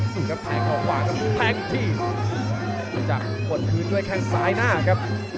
สูงกับแพงข้างขวาครับแพงทีพยายามจะปวดพื้นด้วยแข่งซ้ายหน้าครับ